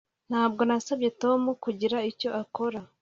Ntabwo nasabye Tom kugira icyo akora